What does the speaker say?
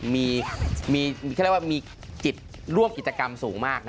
มีร่วมกิจกรรมสูงมาก